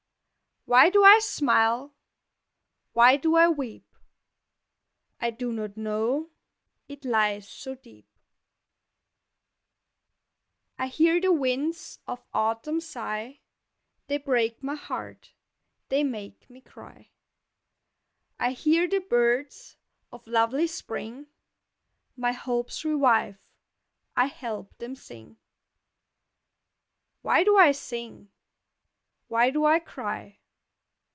Why do I smile? Why do I weep? I do not know, it lies so deep. I hear the winds of autumn sigh. They break my heart, they make me cry. I hear the birds of lovely spring, My hopes revive, I help them sing. Why do I sing? Why do I cry?